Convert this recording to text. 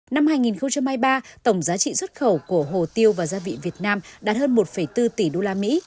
năm hai nghìn hai mươi ba tổng giá trị xuất khẩu của hồ tiêu và gia vị việt nam đạt hơn một bốn tỷ đô la mỹ